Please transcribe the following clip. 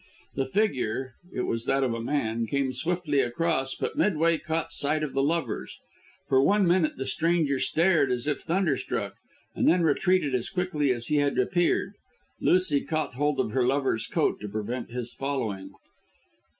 The figure it was that of a man came swiftly across, but midway caught sight of the lovers. For one minute the stranger stared as if thunderstruck, and then retreated as quickly as he had appeared. Lucy caught hold of her lover's coat to prevent his following.